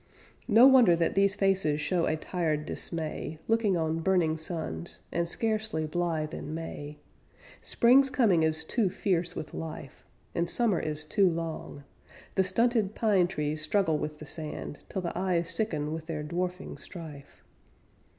No wonder that these faces show a tired dismay, Looking on burning suns, and scarcely blithe in May; Spring's coming is too fierce with life; And summer is too long; The stunted pine trees struggle with the sand Till the eyes sicken with their dwarfing strife.